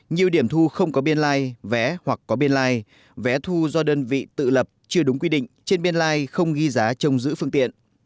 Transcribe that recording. nhiều điểm thu không có biên lai vé hoặc có biên lai vé thu do đơn vị tự lập chưa đúng quy định trên biên lai không ghi giá trong giữ phương tiện